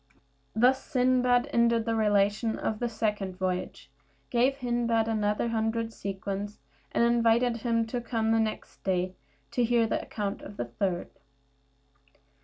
Thus Sindbad ended the relation of the second voyage, gave Hindbad another hundred sequins, and invited him to come the next day to hear the account of the third.